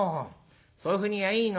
そういうふうに言やあいいの？